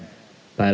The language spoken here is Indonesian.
kami juga berharap